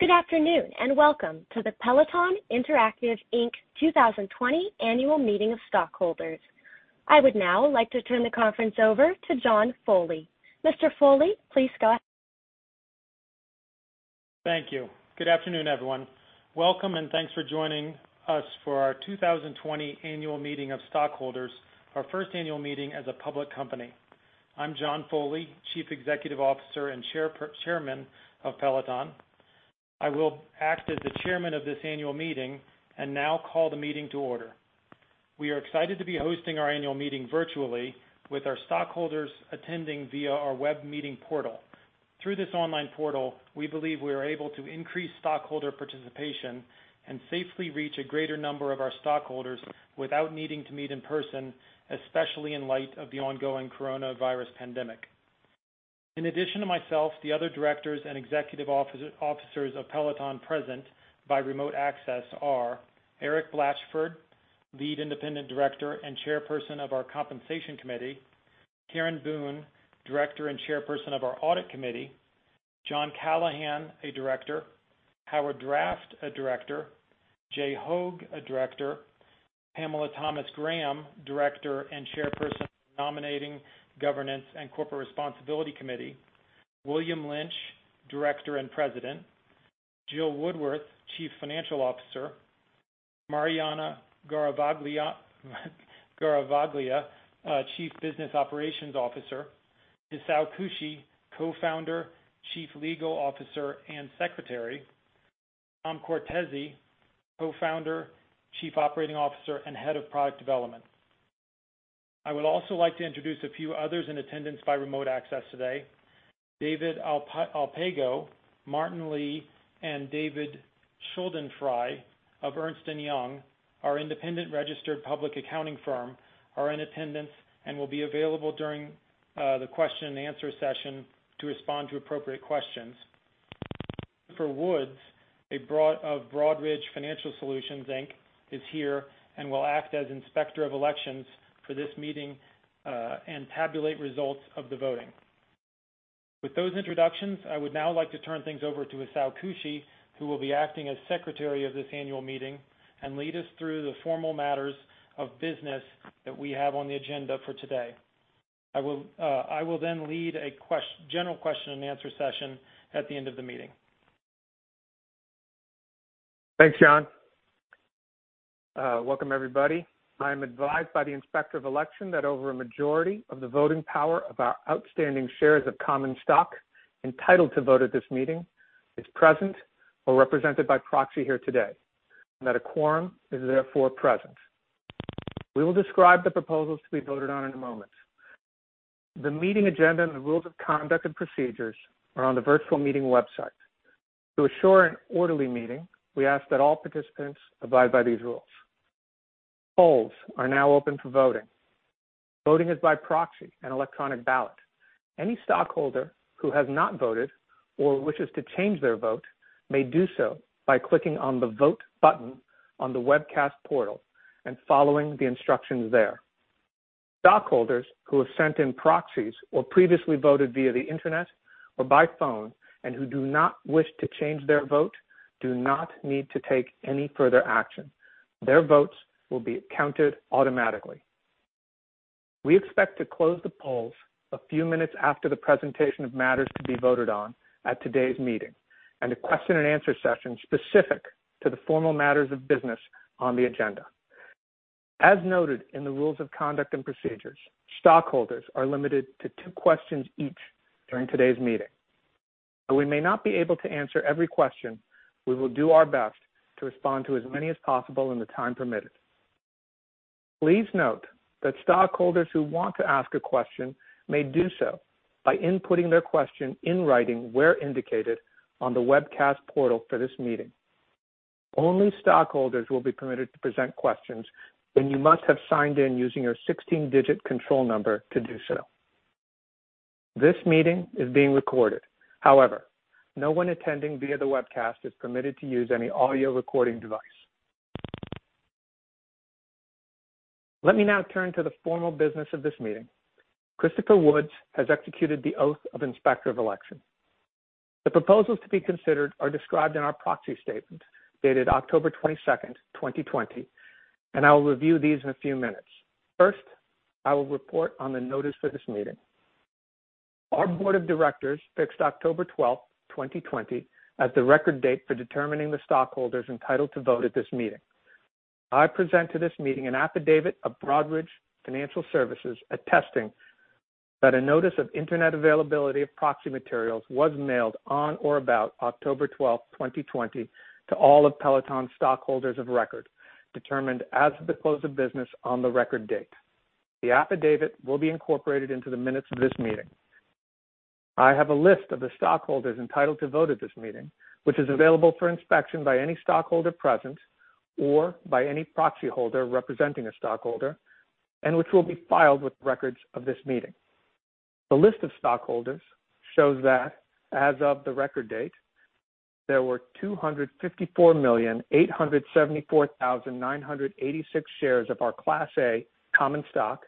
Good afternoon, welcome to the Peloton Interactive Inc 2020 annual meeting of stockholders. I would now like to turn the conference over to John Foley. Mr. Foley, please go ahead. Thank you. Good afternoon, everyone. Welcome, and thanks for joining us for our 2020 annual meeting of stockholders, our first annual meeting as a public company. I'm John Foley, Chief Executive Officer and Chairman of Peloton. I will act as the chairman of this annual meeting and now call the meeting to order. We are excited to be hosting our annual meeting virtually with our stockholders attending via our web meeting portal. Through this online portal, we believe we are able to increase stockholder participation and safely reach a greater number of our stockholders without needing to meet in person, especially in light of the ongoing coronavirus pandemic. In addition to myself, the other directors and executive officers of Peloton present by remote access are Erik Blachford, Lead Independent Director and Chairperson of our Compensation Committee, Karen Boone, Director and Chairperson of our Audit Committee, Jon Callaghan, a Director, Howard Draft, a Director, Jay Hoag, a Director, Pamela Thomas-Graham, Director and Chairperson of Nominating, Governance, and Corporate Responsibility Committee, William Lynch, Director and President, Jill Woodworth, Chief Financial Officer, Mariana Garavaglia, Chief Business Operations Officer, Hisao Kushi, Co-founder, Chief Legal Officer, and Secretary, Tom Cortese, Co-founder, Chief Operating Officer, and Head of Product Development. I would also like to introduce a few others in attendance by remote access today. David Alpago, Martin Lee, and David Schuldenfrei of Ernst & Young, our independent registered public accounting firm, are in attendance and will be available during the question-and-answer session to respond to appropriate questions. Christopher Woods of Broadridge Financial Solutions Inc is here and will act as Inspector of Election for this meeting, and tabulate results of the voting. With those introductions, I would now like to turn things over to Hisao Kushi, who will be acting as Secretary of this annual meeting and lead us through the formal matters of business that we have on the agenda for today. I will lead a general question-and-answer session at the end of the meeting. Thanks, John. Welcome, everybody. I am advised by the Inspector of Election that over a majority of the voting power of our outstanding shares of common stock entitled to vote at this meeting is present or represented by proxy here today, and that a quorum is therefore present. We will describe the proposals to be voted on in a moment. The meeting agenda and the rules of conduct and procedures are on the virtual meeting website. To assure an orderly meeting, we ask that all participants abide by these rules. Polls are now open for voting. Voting is by proxy and electronic ballot. Any stockholder who has not voted or wishes to change their vote may do so by clicking on the Vote button on the webcast portal and following the instructions there. Stockholders who have sent in proxies or previously voted via the internet or by phone and who do not wish to change their vote do not need to take any further action. Their votes will be counted automatically. We expect to close the polls a few minutes after the presentation of matters to be voted on at today's meeting, and a question-and-answer session specific to the formal matters of business on the agenda. As noted in the rules of conduct and procedures, stockholders are limited to two questions each during today's meeting. While we may not be able to answer every question, we will do our best to respond to as many as possible in the time permitted. Please note that stockholders who want to ask a question may do so by inputting their question in writing where indicated on the webcast portal for this meeting. Only stockholders will be permitted to present questions, and you must have signed in using your 16-digit control number to do so. This meeting is being recorded. However, no one attending via the webcast is permitted to use any audio recording device. Let me now turn to the formal business of this meeting. Christopher Woods has executed the oath of Inspector of Election. The proposals to be considered are described in our proxy statement, dated October 22nd, 2020, and I will review these in a few minutes. First, I will report on the notice for this meeting. Our Board of Directors fixed October 12th, 2020, as the record date for determining the stockholders entitled to vote at this meeting. I present to this meeting an affidavit of Broadridge Financial Solutions attesting that a notice of internet availability of proxy materials was mailed on or about October 12th, 2020, to all of Peloton stockholders of record, determined as of the close of business on the record date. The affidavit will be incorporated into the minutes of this meeting. I have a list of the stockholders entitled to vote at this meeting, which is available for inspection by any stockholder present or by any proxy holder representing a stockholder, and which will be filed with records of this meeting. The list of stockholders shows that as of the record date. There were 254,874,986 shares of our Class A common stock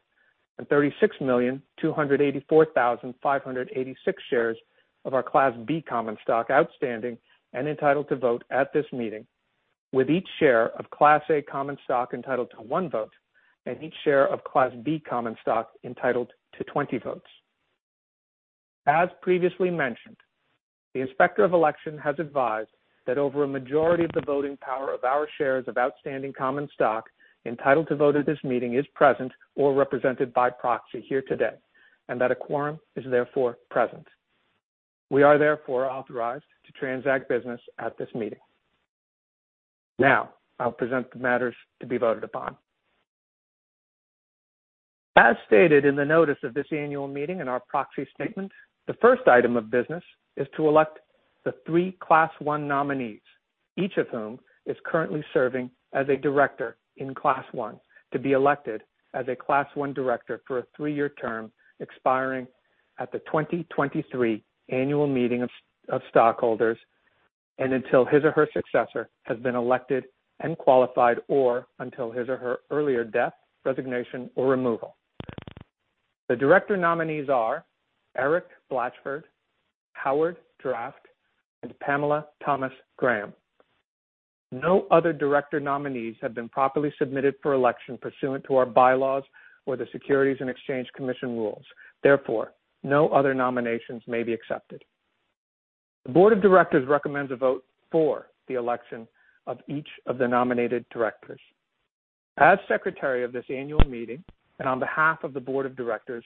and 36,284,586 shares of our Class B common stock outstanding and entitled to vote at this meeting, with each share of Class A common stock entitled to one vote and each share of Class B common stock entitled to 20 votes. As previously mentioned, the Inspector of Election has advised that over a majority of the voting power of our shares of outstanding common stock entitled to vote at this meeting is present or represented by proxy here today, and that a quorum is therefore present. We are therefore authorized to transact business at this meeting. I'll present the matters to be voted upon. As stated in the notice of this annual meeting and our proxy statement, the first item of business is to elect the three Class 1 nominees, each of whom is currently serving as a director in Class 1, to be elected as a Class 1 director for a three-year term expiring at the 2023 annual meeting of stockholders, and until his or her successor has been elected and qualified, or until his or her earlier death, resignation, or removal. The director nominees are Erik Blachford, Howard Draft, and Pamela Thomas-Graham. No other director nominees have been properly submitted for election pursuant to our bylaws or the Securities and Exchange Commission rules. Therefore, no other nominations may be accepted. The board of directors recommends a vote for the election of each of the nominated directors. As secretary of this annual meeting, and on behalf of the board of directors,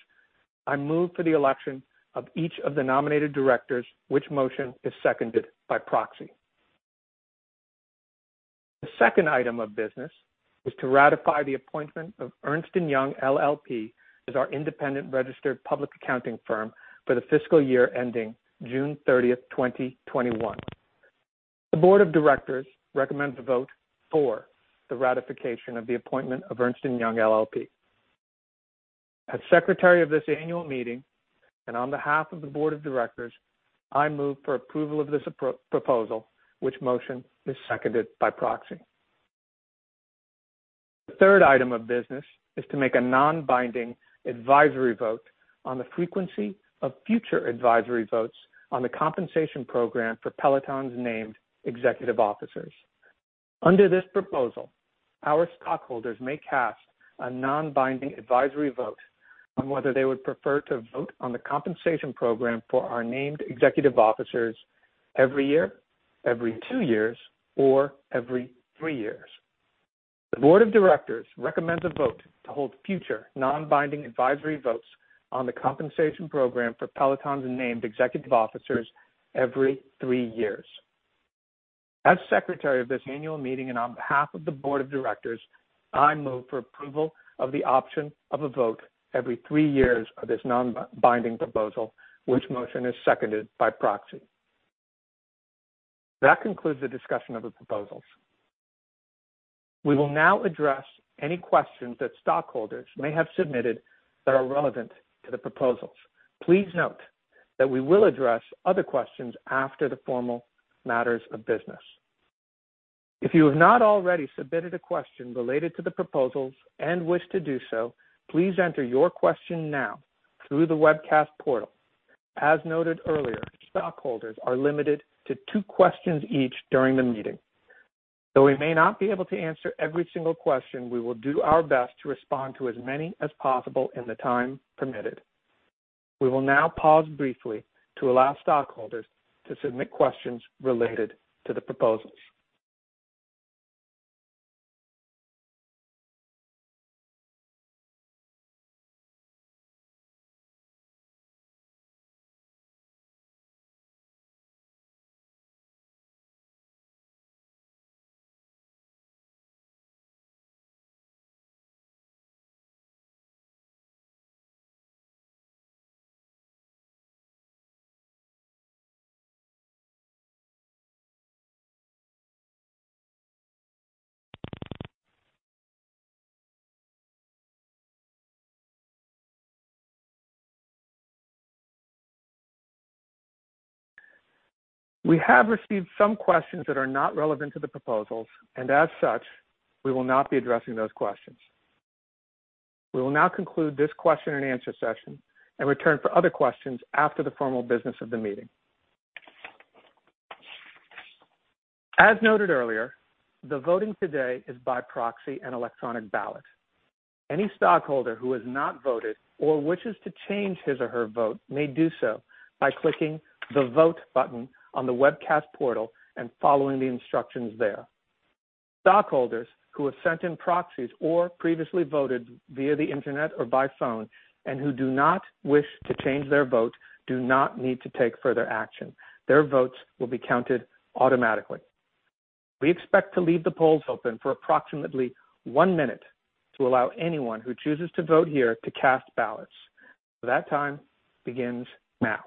I move for the election of each of the nominated directors, which motion is seconded by proxy. The second item of business is to ratify the appointment of Ernst & Young LLP as our independent registered public accounting firm for the fiscal year ending June 30th, 2021. The board of directors recommends a vote for the ratification of the appointment of Ernst & Young LLP. As secretary of this annual meeting, and on behalf of the board of directors, I move for approval of this proposal, which motion is seconded by proxy. The third item of business is to make a non-binding advisory vote on the frequency of future advisory votes on the compensation program for Peloton's named executive officers. Under this proposal, our stockholders may cast a non-binding advisory vote on whether they would prefer to vote on the compensation program for our named executive officers every year, every two years, or every three years. The board of directors recommends a vote to hold future non-binding advisory votes on the compensation program for Peloton's named executive officers every three years. As secretary of this annual meeting and on behalf of the board of directors, I move for approval of the option of a vote every three years of this non-binding proposal, which motion is seconded by proxy. That concludes the discussion of the proposals. We will now address any questions that stockholders may have submitted that are relevant to the proposals. Please note that we will address other questions after the formal matters of business. If you have not already submitted a question related to the proposals and wish to do so, please enter your question now through the webcast portal. As noted earlier, stockholders are limited to two questions each during the meeting. Though we may not be able to answer every single question, we will do our best to respond to as many as possible in the time permitted. We will now pause briefly to allow stockholders to submit questions related to the proposals. We have received some questions that are not relevant to the proposals, and as such, we will not be addressing those questions. We will now conclude this question-and-answer session and return for other questions after the formal business of the meeting. As noted earlier, the voting today is by proxy and electronic ballot. Any stockholder who has not voted or wishes to change his or her vote may do so by clicking the Vote button on the webcast portal and following the instructions there. Stockholders who have sent in proxies or previously voted via the internet or by phone and who do not wish to change their vote do not need to take further action. Their votes will be counted automatically. We expect to leave the polls open for approximately one minute to allow anyone who chooses to vote here to cast ballots. That time begins now.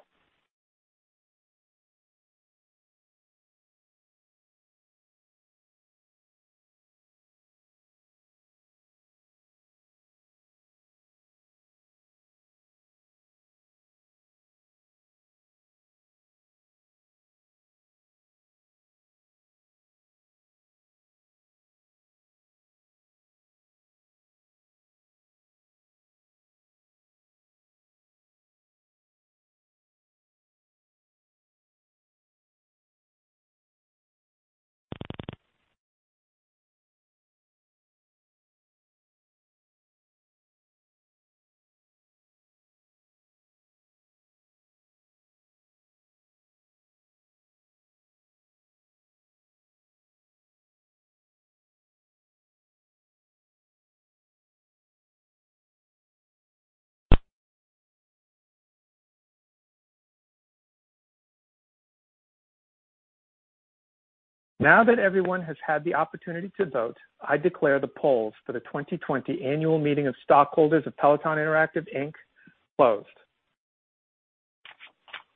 Now that everyone has had the opportunity to vote, I declare the polls for the 2020 annual meeting of stockholders of Peloton Interactive, Inc. closed.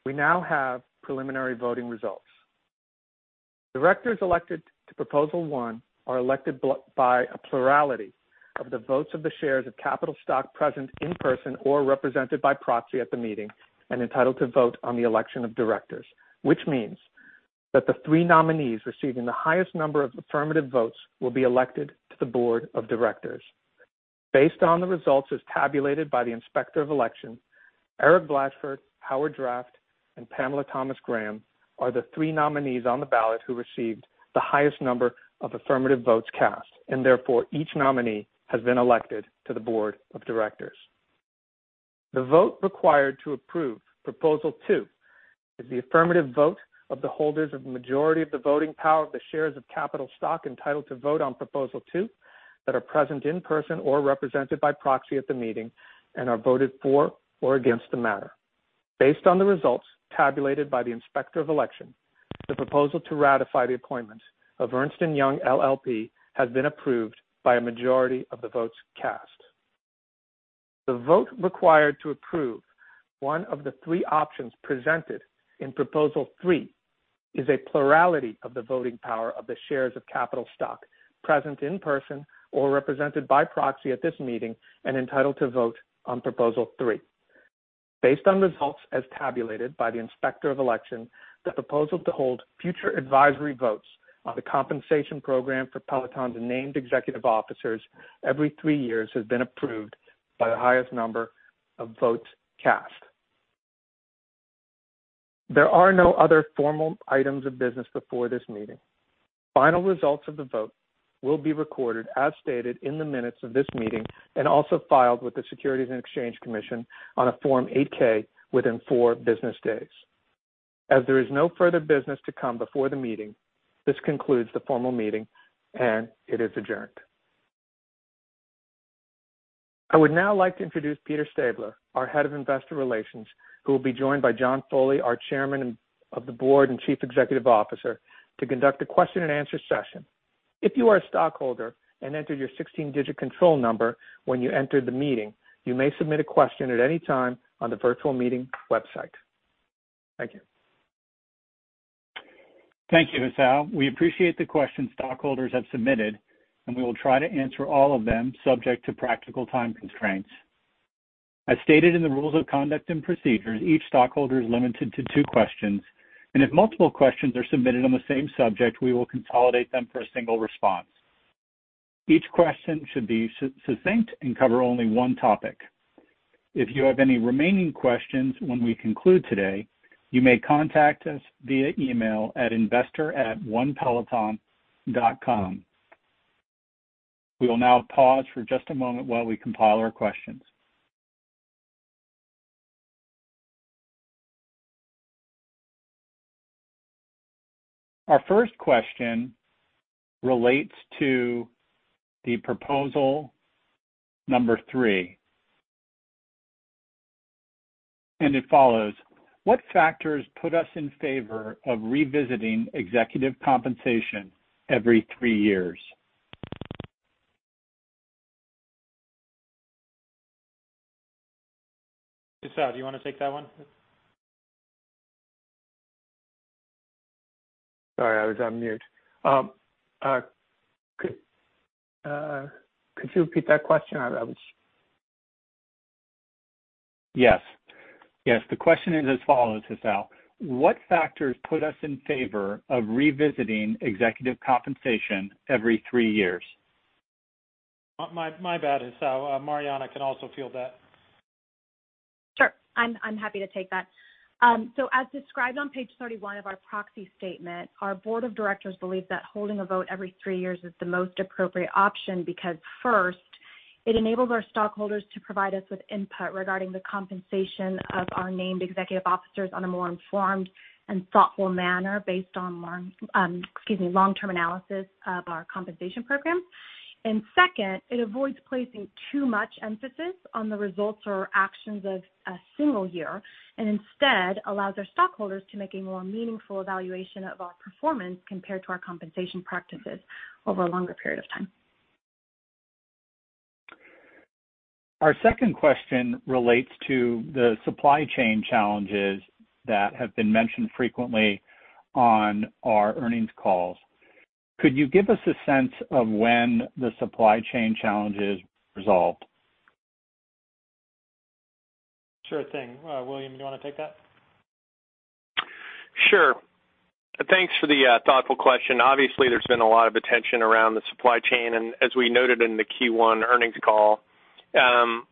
We now have preliminary voting results. Directors elected to Proposal One are elected by a plurality of the votes of the shares of capital stock present in person or represented by proxy at the meeting and entitled to vote on the election of directors, which means that the three nominees receiving the highest number of affirmative votes will be elected to the board of directors. Based on the results as tabulated by the Inspector of Election, Erik Blachford, Howard Draft, and Pamela Thomas-Graham are the three nominees on the ballot who received the highest number of affirmative votes cast, and therefore, each nominee has been elected to the board of directors. The vote required to approve Proposal Two is the affirmative vote of the holders of the majority of the voting power of the shares of capital stock entitled to vote on Proposal Two that are present in person or represented by proxy at the meeting and are voted for or against the matter. Based on the results tabulated by the Inspector of Election, the proposal to ratify the appointment of Ernst & Young LLP has been approved by a majority of the votes cast. The vote required to approve one of the three options presented in Proposal Three is a plurality of the voting power of the shares of capital stock present in person or represented by proxy at this meeting and entitled to vote on Proposal Three. Based on results as tabulated by the Inspector of Election, the proposal to hold future advisory votes on the compensation program for Peloton's named executive officers every three years has been approved by the highest number of votes cast. There are no other formal items of business before this meeting. Final results of the vote will be recorded as stated in the minutes of this meeting and also filed with the Securities and Exchange Commission on a Form 8-K within four business days. As there is no further business to come before the meeting, this concludes the formal meeting, and it is adjourned. I would now like to introduce Peter Stabler, our Head of Investor Relations, who will be joined by John Foley, our Chairman of the Board and Chief Executive Officer, to conduct a question-and-answer session. If you are a stockholder and entered your 16-digit control number when you entered the meeting, you may submit a question at any time on the virtual meeting website. Thank you. Thank you, Hisao. We appreciate the questions stockholders have submitted, and we will try to answer all of them subject to practical time constraints. As stated in the rules of conduct and procedures, each stockholder is limited to two questions, and if multiple questions are submitted on the same subject, we will consolidate them for a single response. Each question should be succinct and cover only one topic. If you have any remaining questions when we conclude today, you may contact us via email at investor@onepeloton.com. We will now pause for just a moment while we compile our questions. Our first question relates to the proposal number three. It follows: What factors put us in favor of revisiting executive compensation every three years? Hisao, do you want to take that one? Sorry, I was on mute. Could you repeat that question? Yes. Yes. The question is as follows, Hisao: What factors put us in favor of revisiting executive compensation every three years? My bad, Hisao. Mariana can also field that. Sure. I'm happy to take that. As described on page 31 of our proxy statement, our board of directors believe that holding a vote every three years is the most appropriate option because, first, it enables our stockholders to provide us with input regarding the compensation of our named executive officers on a more informed and thoughtful manner based on long-term analysis of our compensation program. Second, it avoids placing too much emphasis on the results or actions of a single year and instead allows our stockholders to make a more meaningful evaluation of our performance compared to our compensation practices over a longer period of time. Our second question relates to the supply chain challenges that have been mentioned frequently on our earnings calls. Could you give us a sense of when the supply chain challenge is resolved? Sure thing. William, do you want to take that? Sure. Thanks for the thoughtful question. Obviously, there's been a lot of attention around the supply chain. As we noted in the Q1 earnings call,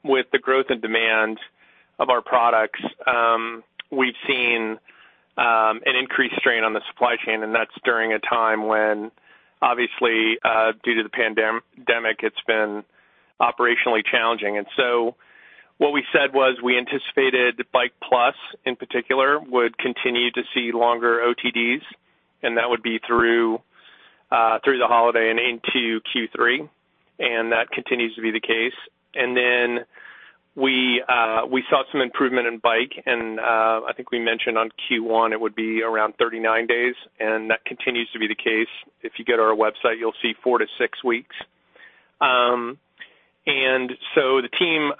with the growth in demand of our products, we've seen an increased strain on the supply chain, and that's during a time when, obviously, due to the pandemic, it's been operationally challenging. What we said was we anticipated Bike+, in particular, would continue to see longer OTDs, and that would be through the holiday and into Q3. That continues to be the case. We saw some improvement in Bike, and I think we mentioned on Q1, it would be around 39 days, and that continues to be the case. If you get on our website, you'll see four to six weeks.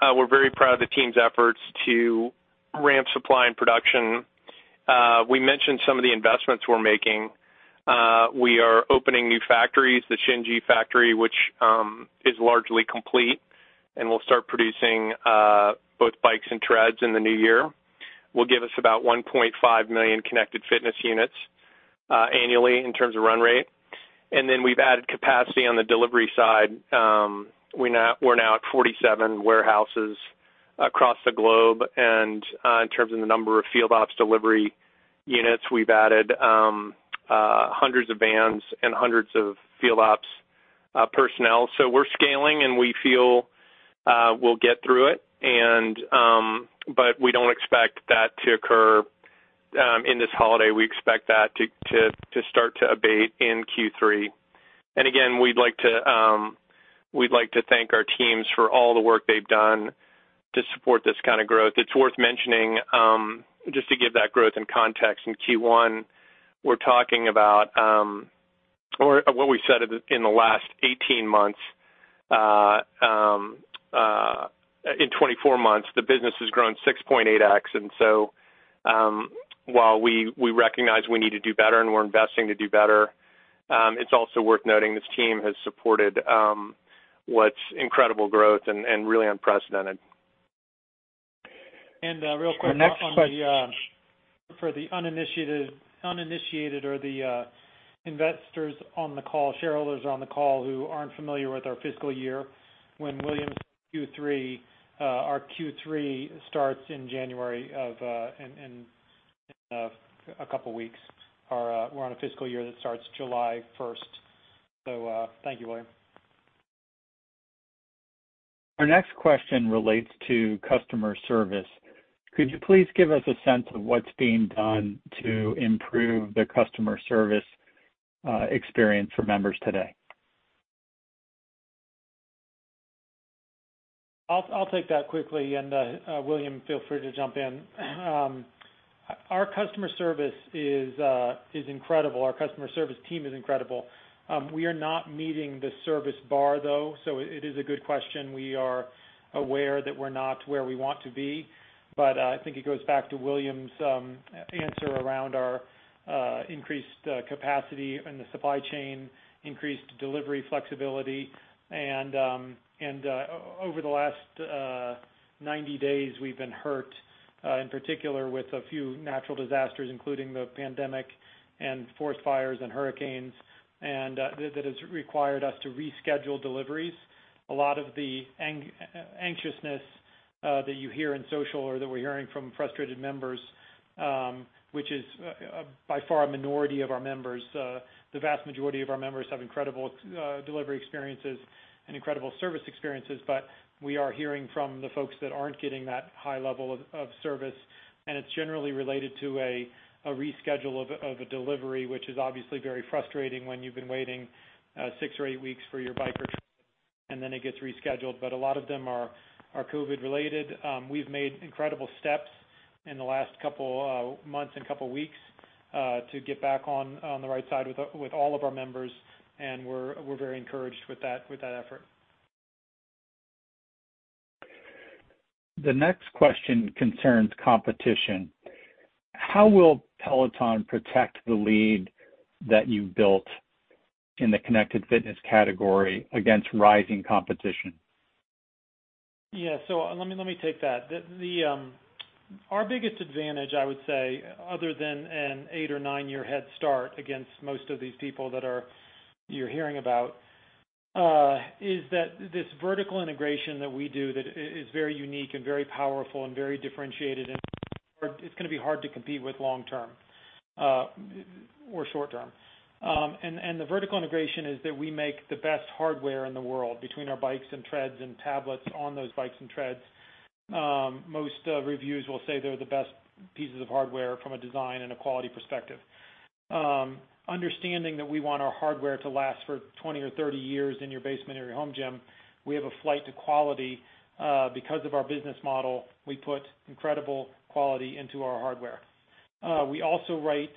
We're very proud of the team's efforts to ramp supply and production. We mentioned some of the investments we're making. We are opening new factories. The Shinji factory, which is largely complete and will start producing both bikes and treads in the new year, will give us about 1.5 million connected fitness units annually in terms of run rate. Then we've added capacity on the delivery side. We're now at 47 warehouses across the globe, and in terms of the number of field ops delivery units, we've added hundreds of vans and hundreds of field ops personnel. We're scaling, and we feel we'll get through it, but we don't expect that to occur in this holiday. We expect that to start to abate in Q3. Again, we'd like to thank our teams for all the work they've done to support this kind of growth. It's worth mentioning, just to give that growth in context, in Q1, we're talking about, or what we said in the last 18 months, in 24 months, the business has grown 6.8x. While we recognize we need to do better and we're investing to do better, it's also worth noting this team has supported what's incredible growth and really unprecedented. Real quick. Our next question. for the uninitiated or the investors on the call, shareholders on the call who aren't familiar with our fiscal year, when William says Q3, our Q3 starts in January, in a couple of weeks. We're on a fiscal year that starts July 1st. Thank you, William. Our next question relates to customer service. Could you please give us a sense of what's being done to improve the customer service experience for members today? I'll take that quickly. William, feel free to jump in. Our customer service is incredible. Our customer service team is incredible. We are not meeting the service bar, though, so it is a good question. We are aware that we're not where we want to be. I think it goes back to William's answer around our increased capacity in the supply chain, increased delivery flexibility, and over the last 90 days, we've been hurt, in particular, with a few natural disasters, including the pandemic and forest fires and hurricanes. That has required us to reschedule deliveries. A lot of the anxiousness that you hear in social or that we're hearing from frustrated members, which is by far a minority of our members. The vast majority of our members have incredible delivery experiences and incredible service experiences, but we are hearing from the folks that aren't getting that high level of service, and it's generally related to a reschedule of a delivery, which is obviously very frustrating when you've been waiting six or eight weeks for your Bike or Tread, and then it gets rescheduled. A lot of them are COVID-related. We've made incredible steps in the last couple of months and couple weeks to get back on the right side with all of our members, and we're very encouraged with that effort. The next question concerns competition. How will Peloton protect the lead that you've built in the connected fitness category against rising competition? Yeah. Let me take that. Our biggest advantage, I would say, other than an eight or nine-year head start against most of these people that you're hearing about, is that this vertical integration that we do that is very unique and very powerful and very differentiated, and it's going to be hard to compete with long term or short term. The vertical integration is that we make the best hardware in the world between our bikes and treads and tablets on those bikes and treads. Most reviews will say they're the best pieces of hardware from a design and a quality perspective. Understanding that we want our hardware to last for 20 or 30 years in your basement or your home gym, we have a flight to quality. Because of our business model, we put incredible quality into our hardware. We also write,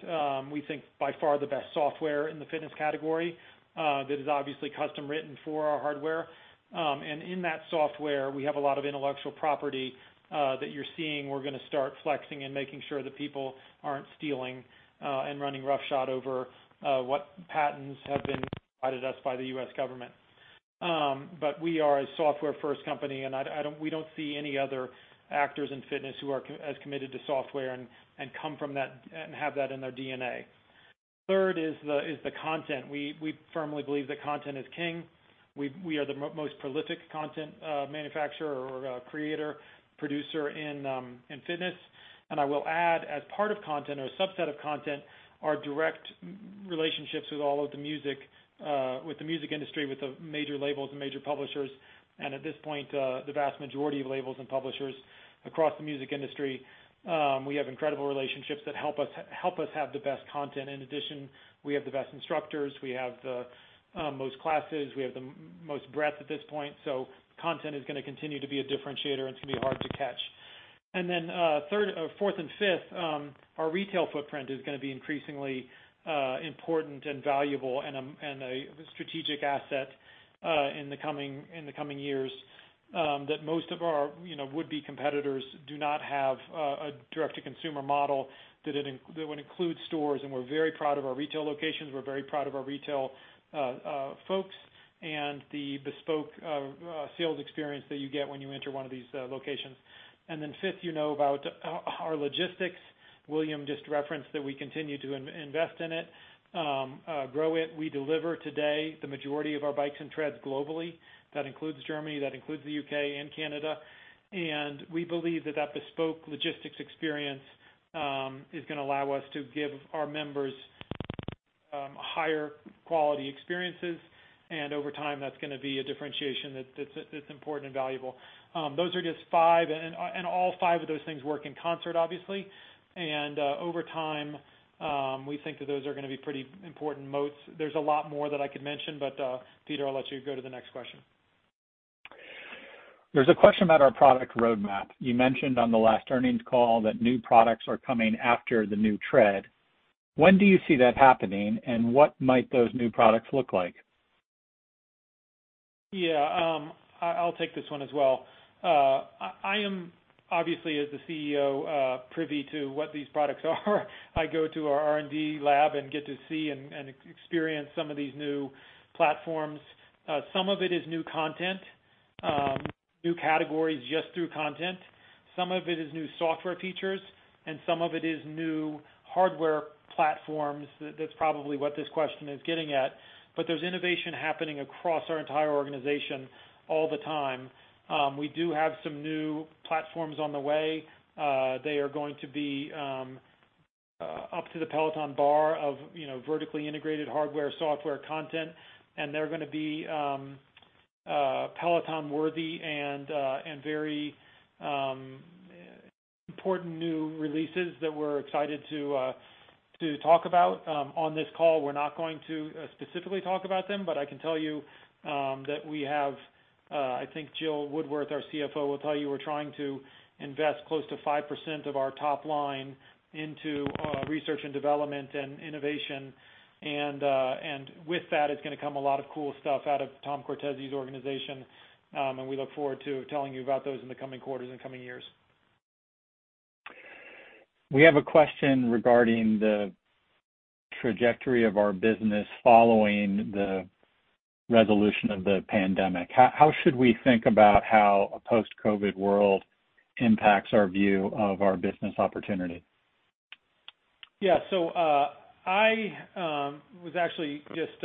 we think, by far the best software in the fitness category, that is obviously custom written for our hardware. In that software, we have a lot of intellectual property that you're seeing we're going to start flexing and making sure that people aren't stealing and running roughshod over what patents have been provided us by the U.S. government. We are a software-first company, and we don't see any other actors in fitness who are as committed to software and have that in their DNA. Third is the content. We firmly believe that content is king. We are the most prolific content manufacturer or creator, producer in fitness. I will add, as part of content or a subset of content, our direct relationships with the music industry, with the major labels and major publishers. At this point, the vast majority of labels and publishers across the music industry, we have incredible relationships that help us have the best content. In addition, we have the best instructors, we have the most classes, we have the most breadth at this point. Content is going to continue to be a differentiator, and it's going to be hard to catch. Fourth and fifth, our retail footprint is going to be increasingly important and valuable and a strategic asset in the coming years, that most of our would-be competitors do not have a direct-to-consumer model that would include stores, and we're very proud of our retail locations. We're very proud of our retail folks and the bespoke sales experience that you get when you enter one of these locations. Fifth, you know about our logistics. William just referenced that we continue to invest in it, grow it. We deliver today the majority of our bikes and treads globally. That includes Germany, that includes the U.K. and Canada. We believe that bespoke logistics experience is going to allow us to give our members higher quality experiences. Over time, that's going to be a differentiation that's important and valuable. Those are just five, and all five of those things work in concert, obviously. Over time, we think that those are going to be pretty important moats. There's a lot more that I could mention, but Peter, I'll let you go to the next question. There's a question about our product roadmap. You mentioned on the last earnings call that new products are coming after the new Tread. When do you see that happening, and what might those new products look like? Yeah. I'll take this one as well. I am obviously, as the CEO, privy to what these products are. I go to our R&D lab and get to see and experience some of these new platforms. Some of it is new content, new categories just through content. Some of it is new software features, and some of it is new hardware platforms. That's probably what this question is getting at. There's innovation happening across our entire organization all the time. We do have some new platforms on the way. They are going to be up to the Peloton bar of vertically integrated hardware, software, content, and they're going to be Peloton worthy and very important new releases that we're excited to talk about on this call. We're not going to specifically talk about them, but I can tell you that I think Jill Woodworth, our CFO, will tell you we're trying to invest close to 5% of our top line into research and development and innovation. With that, it's going to come a lot of cool stuff out of Tom Cortese's organization, and we look forward to telling you about those in the coming quarters and coming years. We have a question regarding the trajectory of our business following the resolution of the pandemic. How should we think about how a post-COVID world impacts our view of our business opportunity? Yeah. I was actually just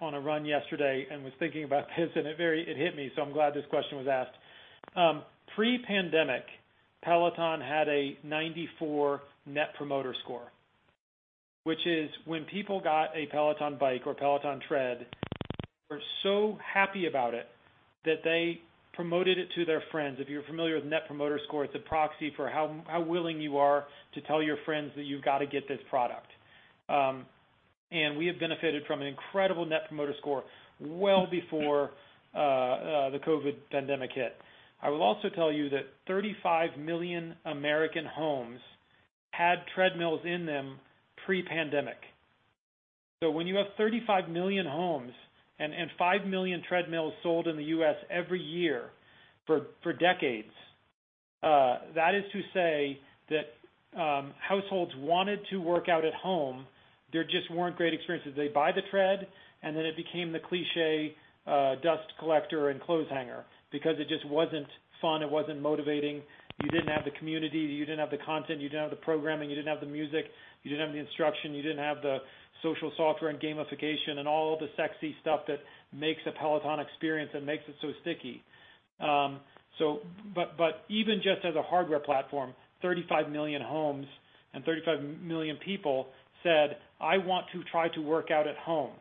on a run yesterday and was thinking about this, and it hit me, so I'm glad this question was asked. Pre-pandemic, Peloton had a 94 Net Promoter Score, which is when people got a Peloton Bike or Peloton Tread, they were so happy about it that they promoted it to their friends. If you're familiar with Net Promoter Score, it's a proxy for how willing you are to tell your friends that you've got to get this product. We have benefited from an incredible Net Promoter Score well before the COVID pandemic hit. I will also tell you that 35 million American homes had treadmills in them pre-pandemic. When you have 35 million homes and 5 million treadmills sold in the U.S. every year for decades, that is to say that households wanted to work out at home. There just weren't great experiences. They'd buy the Tread, and then it became the cliché dust collector and clothes hanger because it just wasn't fun. It wasn't motivating. You didn't have the community. You didn't have the content. You didn't have the programming. You didn't have the music. You didn't have the instruction. You didn't have the social software and gamification and all of the sexy stuff that makes a Peloton experience and makes it so sticky. Even just as a hardware platform, 35 million homes and 35 million people said, "I want to try to work out at home."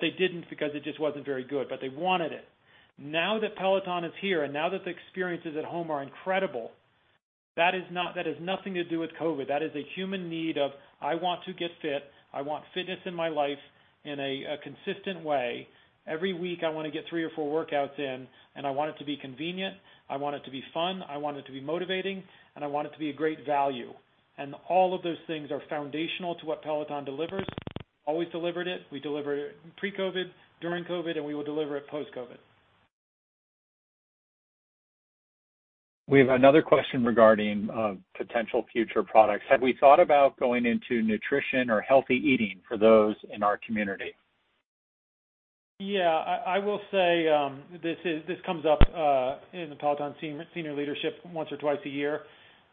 They didn't because it just wasn't very good, but they wanted it. Now that Peloton is here, and now that the experiences at home are incredible, that has nothing to do with COVID. That is a human need of, "I want to get fit. I want fitness in my life in a consistent way. Every week, I want to get three or four workouts in, and I want it to be convenient, I want it to be fun, I want it to be motivating, and I want it to be a great value. All of those things are foundational to what Peloton delivers. Always delivered it. We delivered it pre-COVID, during COVID, and we will deliver it post-COVID. We have another question regarding potential future products. Have we thought about going into nutrition or healthy eating for those in our community? Yeah. I will say, this comes up in the Peloton senior leadership once or twice a year.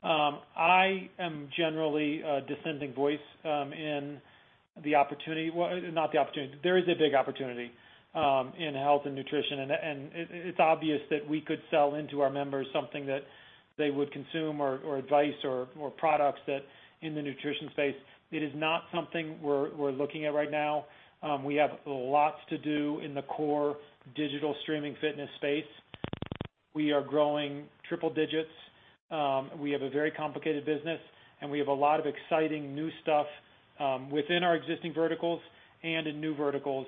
I am generally a dissenting voice in the opportunity. Well, not the opportunity. There is a big opportunity in health and nutrition. It's obvious that we could sell into our members something that they would consume or advice or products that in the nutrition space. It is not something we're looking at right now. We have lots to do in the core digital streaming fitness space. We are growing triple digits. We have a very complicated business. We have a lot of exciting new stuff within our existing verticals and in new verticals,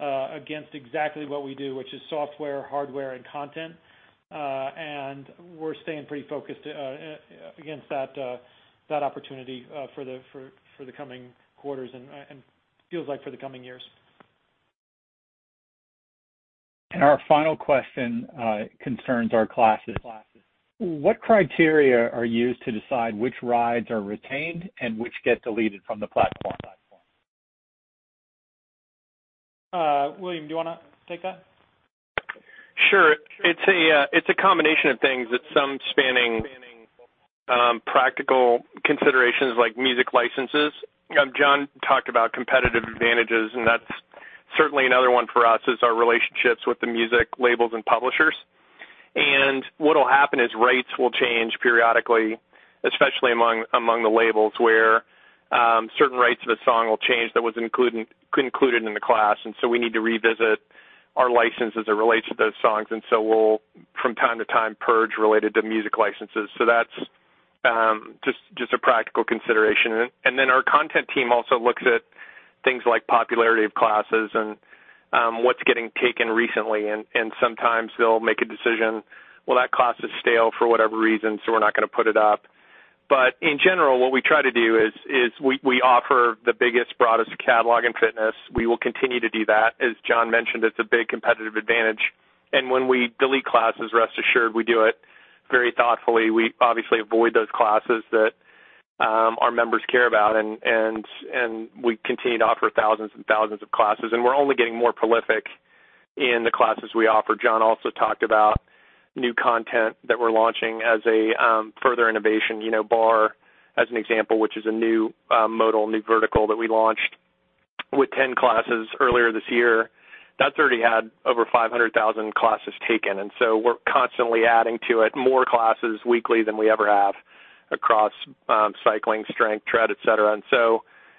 against exactly what we do, which is software, hardware, and content. We're staying pretty focused against that opportunity for the coming quarters and feels like for the coming years. Our final question concerns our classes. What criteria are used to decide which rides are retained and which get deleted from the platform? William, do you want to take that? Sure. It's a combination of things that some spanning practical considerations like music licenses. John talked about competitive advantages, and that's certainly another one for us, is our relationships with the music labels and publishers. What'll happen is rates will change periodically, especially among the labels where certain rates of a song will change that was included in the class. So we need to revisit our license as it relates to those songs. So we'll, from time to time, purge related to music licenses. That's just a practical consideration. Our content team also looks at things like popularity of classes and what's getting taken recently, and sometimes they'll make a decision. Well, that class is stale for whatever reason, so we're not going to put it up. In general, what we try to do is we offer the biggest, broadest catalog in fitness. We will continue to do that. As John mentioned, it's a big competitive advantage. When we delete classes, rest assured we do it very thoughtfully. We obviously avoid those classes that our members care about. We continue to offer thousands and thousands of classes, and we're only getting more prolific in the classes we offer. John also talked about new content that we're launching as a further innovation. Barre as an example, which is a new modal, new vertical that we launched with 10 classes earlier this year. That's already had over 500,000 classes taken, we're constantly adding to it, more classes weekly than we ever have across cycling, strength, tread, et cetera.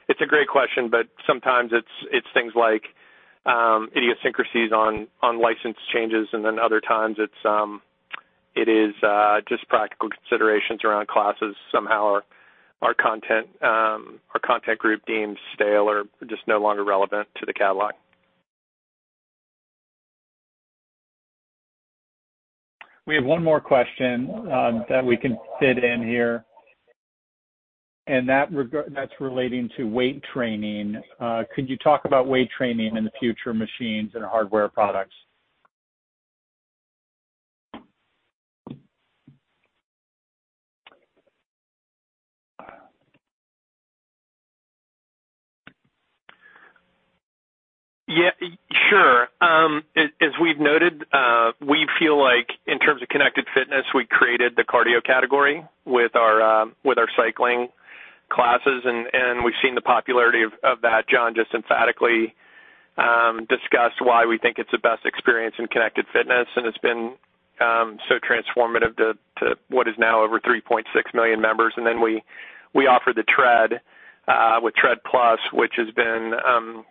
It's a great question, but sometimes it's things like idiosyncrasies on license changes, then other times it is just practical considerations around classes somehow our content group deems stale or just no longer relevant to the catalog. We have one more question that we can fit in here, and that's relating to weight training. Could you talk about weight training in the future machines and hardware products? Yeah, sure. As we've noted, we feel like in terms of connected fitness, we created the cardio category with our cycling classes, and we've seen the popularity of that. John just emphatically discussed why we think it's the best experience in connected fitness, and it's been so transformative to what is now over 3.6 million members. We offer the tread with Tread+, which has been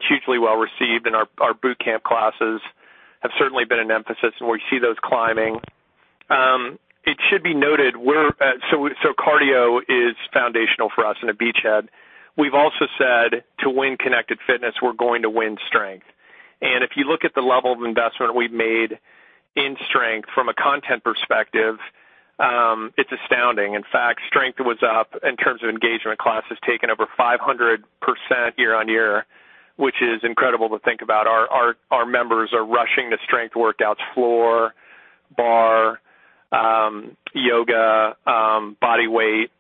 hugely well-received, and our boot camp classes have certainly been an emphasis, and we see those climbing. It should be noted, cardio is foundational for us in a beachhead. We've also said to win connected fitness, we're going to win strength. If you look at the level of investment we've made in strength from a content perspective, it's astounding. In fact, strength was up in terms of engagement, classes taken over 500% year-on-year, which is incredible to think about. Our members are rushing to strength workouts, floor, Barre, yoga, body weight,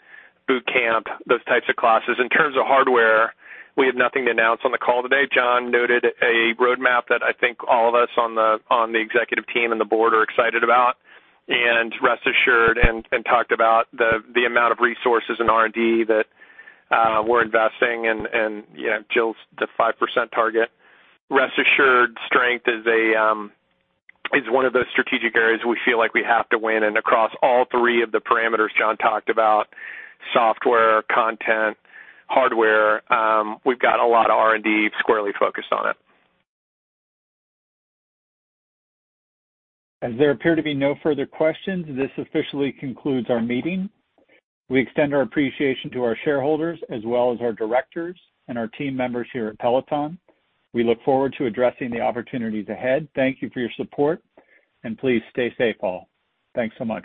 boot camp, those types of classes. In terms of hardware, we have nothing to announce on the call today. John noted a roadmap that I think all of us on the executive team and the board are excited about, and rest assured, and talked about the amount of resources in R&D that we're investing and Jill's 5% target. Rest assured, strength is one of those strategic areas we feel like we have to win. Across all three of the parameters John talked about, software, content, hardware, we've got a lot of R&D squarely focused on it. As there appear to be no further questions, this officially concludes our meeting. We extend our appreciation to our shareholders as well as our directors and our team members here at Peloton. We look forward to addressing the opportunities ahead. Thank you for your support and please stay safe, all. Thanks so much.